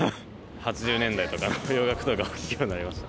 ８０年代とかの洋楽とかを聞くようになりました。